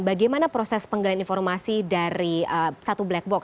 bagaimana proses penggalian informasi tersebut